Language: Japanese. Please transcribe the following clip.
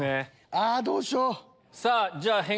あどうしよう！